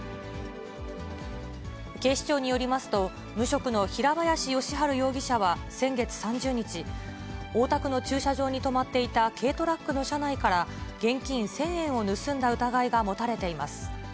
警視庁によりますと、無職の平林義治容疑者は先月３０日、大田区の駐車場に止まっていた軽トラックの車内から現金１０００円を盗んだ疑いが持たれています。